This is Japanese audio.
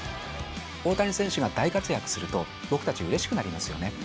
大谷選手が大活躍すると、僕たち、うれしくなりますよね。